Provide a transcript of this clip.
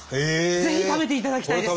ぜひ食べていただきたいです。